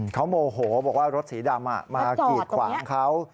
เขาโมโหบอกว่ารถสีดำมากีดขวางเขา